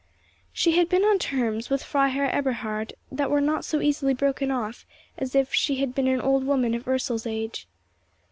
She had been on terms with Freiherr Eberhard that were not so easily broken off as if she had been an old woman of Ursel's age.